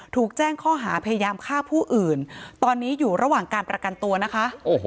ถูกแจ้งข้อหาพยายามฆ่าผู้อื่นตอนนี้อยู่ระหว่างการประกันตัวนะคะ